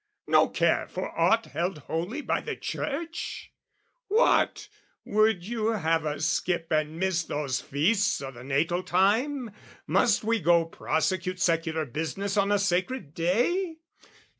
No care for aught held holy by the Church? What, would you have us skip and miss those Feasts O' the Natal Time, must we go prosecute Secular business on a sacred day?